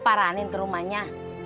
nggak keparanin ke rumahnya